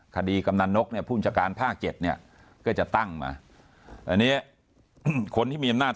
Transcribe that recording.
กำนันนกเนี่ยภูมิชาการภาค๗เนี่ยก็จะตั้งมาอันนี้คนที่มีอำนาจ